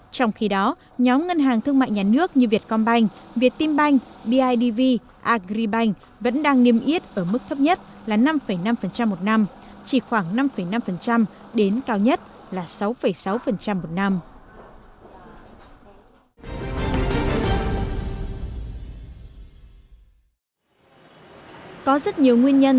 trong khi đó nhóm ngân hàng thương mại nhà nước như vietcombank viettimbank bidv agribank vẫn đang niêm yết ở mức thấp nhất là năm năm một năm chỉ khoảng năm năm đến cao nhất là sáu sáu một năm